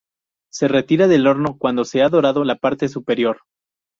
Se retira del horno cuando se ha dorado la parte superior.